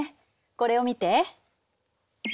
これを見て。